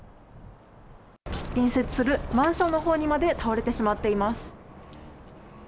隣接するマンションのほうにまで倒れてしまっています。